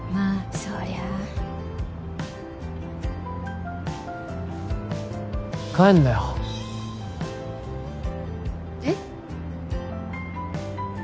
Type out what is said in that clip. そりゃあ帰んなよえっ？